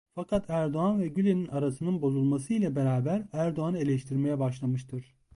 Fakat Erdoğan ve Gülen'in arasının bozulması ile beraber Erdoğan'ı eleştirmeye başlamıştır.